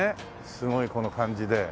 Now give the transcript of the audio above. すごいこの感じで。